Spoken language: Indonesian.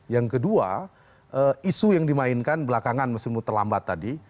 yang kedua isu yang dimainkan belakangan musim terlambat tadi